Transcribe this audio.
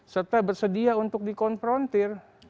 serta bersedia untuk dikonfrontir